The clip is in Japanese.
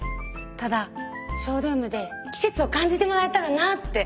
ただショールームで季節を感じてもらえたらなって